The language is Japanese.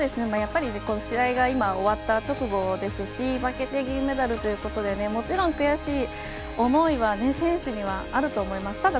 やっぱり、試合が今終わった直後ですし負けて銀メダルということでもちろん悔しい思いは選手にはあると思います。